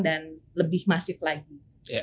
dan lebih masif lagi